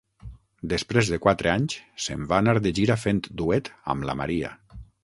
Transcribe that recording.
Després de quatre anys, se'n va anar de gira fent duet amb la Maria.